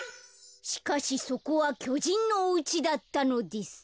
「しかしそこはきょじんのおうちだったのです」。